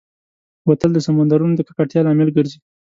بوتل د سمندرونو د ککړتیا لامل ګرځي.